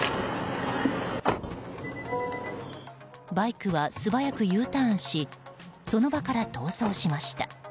バイクはすばやくＵターンしその場から逃走しました。